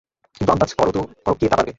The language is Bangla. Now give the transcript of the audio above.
কিন্তু আন্দাজ করো কে তা পারবে?